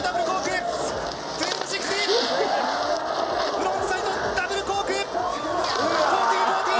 フロントサイドダブルコーク１２６０。